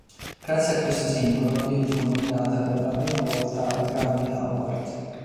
Grazie a questo singolo Lil' fu nominata per la prima volta ai Grammy Award.